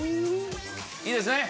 いいですね？